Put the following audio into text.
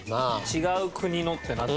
違う国のってなっちゃう。